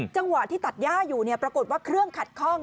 ตอนที่ตัดย่าอยู่เนี่ยปรากฏว่าเครื่องขัดข้อง